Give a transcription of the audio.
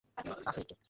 দেখিয়ে দে মামা।